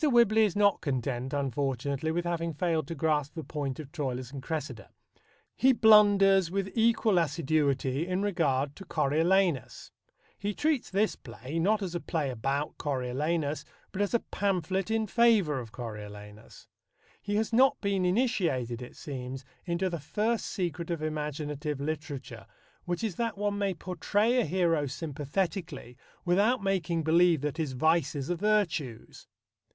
Whibley is not content, unfortunately, with having failed to grasp the point of Troilus and Cressida. He blunders with equal assiduity in regard to Coriolanus. He treats this play, not as a play about Coriolanus, but as a pamphlet in favour of Coriolanus. He has not been initiated, it seems, into the first secret of imaginative literature, which is that one may portray a hero sympathetically without making believe that his vices are virtues.